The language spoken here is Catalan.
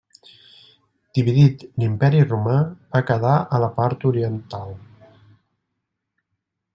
Dividit l'Imperi Romà va quedar a la part oriental.